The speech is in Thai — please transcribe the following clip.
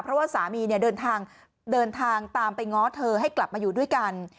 เพราะว่าสามีเนี่ยเดินทางตามไปง้อเธอให้กลับมาอยู่ด้วยกัน